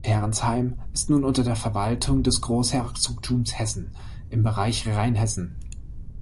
Herrnsheim ist nun unter der Verwaltung des Großherzogtums Hessen im Bereich Rheinhessen.